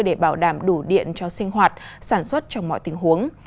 để bảo đảm đủ điện cho sinh hoạt sản xuất trong mọi tình huống